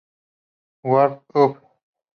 Word Up!